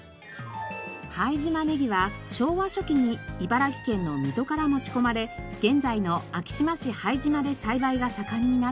拝島ネギは昭和初期に茨城県の水戸から持ち込まれ現在の昭島市拝島で栽培が盛んになったネギです。